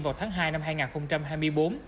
vào tháng hai năm hai nghìn hai mươi bốn